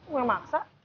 gue yang maksa